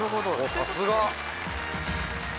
さすが！